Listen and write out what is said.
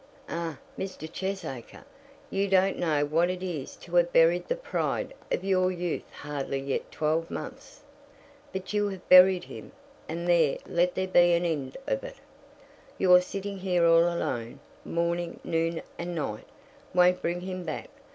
"Ah, Mr. Cheesacre, you don't know what it is to have buried the pride of your youth hardly yet twelve months." "But you have buried him, and there let there be an end of it. Your sitting here all alone, morning, noon, and night, won't bring him back.